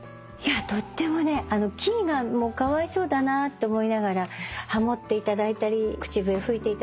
とってもねキーがかわいそうだなって思いながらハモっていただいたり口笛吹いていただいたり。